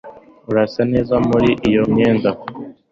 Urasa neza muri iyo myenda